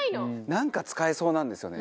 なんか使えそうなんですよね。